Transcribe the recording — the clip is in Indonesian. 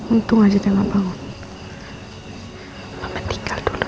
untung aja aku ga bangun mama tinggal dulu